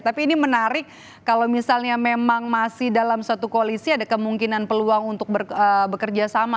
tapi ini menarik kalau misalnya memang masih dalam suatu koalisi ada kemungkinan peluang untuk bekerja sama